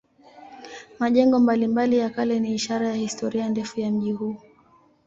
Majengo mbalimbali ya kale ni ishara ya historia ndefu ya mji huu.